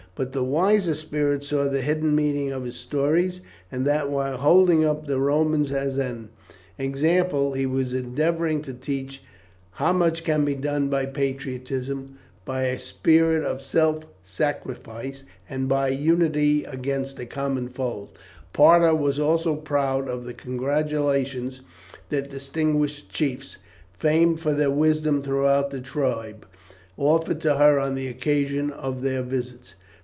But the wiser spirits saw the hidden meaning of his stories, and that, while holding up the Romans as an example, he was endeavouring to teach how much can be done by patriotism, by a spirit of self sacrifice, and by unity against a common foe. Parta was also proud of the congratulations that distinguished chiefs, famed for their wisdom throughout the tribe, offered to her on the occasion of their visits.